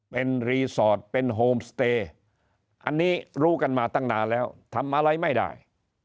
เป็นรีสอร์ทเป็นโฮมสเตย์อันนี้รู้กันมาตั้งนานแล้วทำอะไรไม่ได้